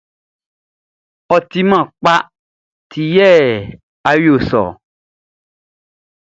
Ɔ timan kpa ti yɛ ɔ yo sɔ ɔ.